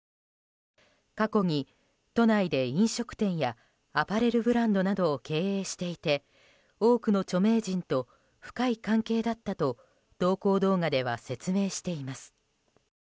過去に、都内で飲食店やアパレルブランドなどを経営していて多くの著名人と深い関係だったと投稿動画では説明しています。